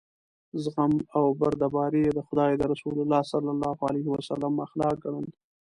زغم او بردباري یې د خدای د رسول صلی الله علیه وسلم اخلاق ګڼل.